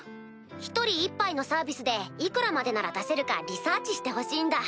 一人１杯のサービスで幾らまでなら出せるかリサーチしてほしいんだ。